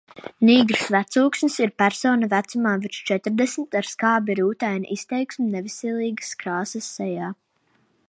Nīgrs vecūksnis ir persona vecumā virs četrdesmit, ar skābi rūtainu izteiksmi neveselīgas krāsas sejā.